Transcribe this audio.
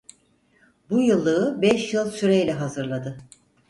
Bu yıllığı beş yıl süreyle hazırladı.